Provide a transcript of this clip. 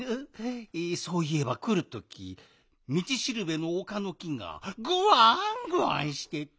そういえばくるときみちしるべのおかの木がぐわんぐわんしてて。